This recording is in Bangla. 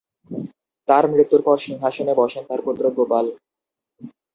তাঁর মৃত্যুর পর সিংহাসনে বসেন তাঁর পুত্র গোপাল।